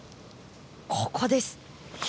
ここです。